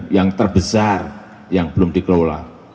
yang terbesar yang belum dikelola